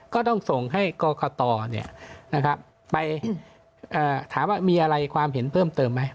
ก็ต้องส่งให้กรกตไปถามว่ามีอะไรความเห็นเพิ่มเติมไหม